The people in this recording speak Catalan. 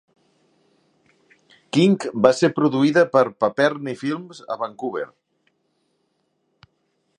"KinK" va ser produïda per Paperny Films a Vancouver.